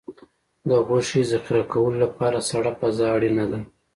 د غوښې ذخیره کولو لپاره سړه فضا اړینه ده.